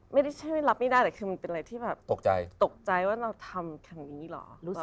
ไม่ได้ช่วยรับไม่ได้แต่มันเป็นอะไรที่ตกใจว่าเราทำแบบนี้หรอ